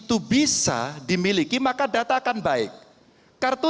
jadi saya mau bicara tentang hal hal yang terjadi di negara ini